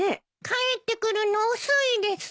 帰ってくるの遅いです。